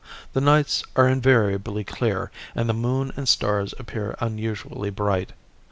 The nights are invariably clear and the moon and stars appear unusually bright.